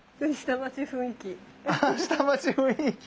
下町雰囲気。